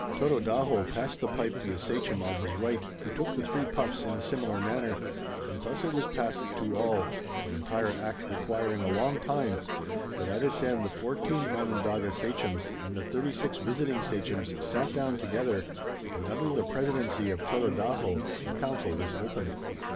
Tododaho passed the pipe to the sachem on his right, who took the three puffs in a similar manner, and thus it was passed to all, the entire act requiring a long time, but at its end the fourteen Onondaga sachems and the thirty six visiting sachems sat down together and under the presidency of Tododaho the council was opened.